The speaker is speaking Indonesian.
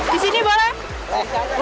di sini boleh